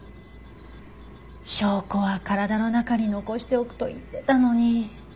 証拠は体の中に残しておくと言ってたのに。